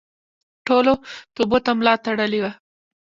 ټولو توبو ته ملا تړلې وه.